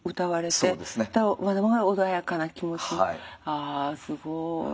ああすごい。